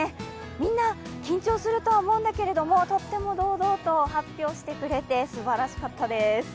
みんな緊張するとは思うんだけど、とっても堂々と発表してくれて、すばらしかったです。